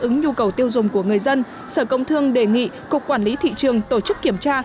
ứng nhu cầu tiêu dùng của người dân sở công thương đề nghị cục quản lý thị trường tổ chức kiểm tra